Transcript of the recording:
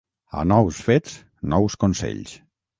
A nous fets, nous consells.